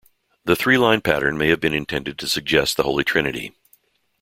The three-line pattern may have been intended to suggest the Holy Trinity.